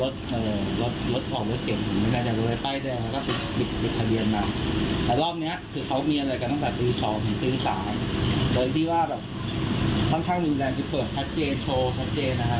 แต่ครบนี้คือเค้ามีอะไรกันตั้งตั้งคือ